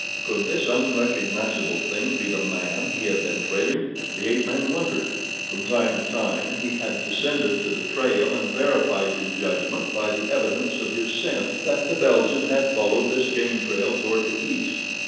Could this unrecognizable thing be the man he had been trailing? The ape man wondered. From time to time he had descended to the trail and verified his judgment by the evidence of his scent that the Belgian had followed this game trail toward the east.